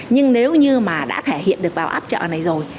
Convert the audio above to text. nhưng nếu như mà đã thể hiện được vào áp chợ này rồi